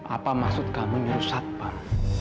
apa maksud kamu merusak pak